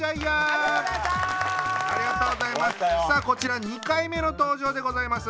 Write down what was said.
さあこちら２回目の登場でございます。